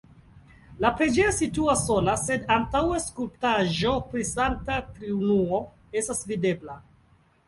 La preĝejo situas sola, sed antaŭe skulptaĵo pri Sankta Triunuo estas videbla.